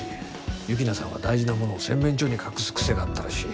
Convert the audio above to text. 幸那さんは大事なものを洗面所に隠す癖があったらしい。